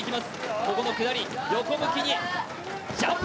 ここの下り、横向きにジャンプ！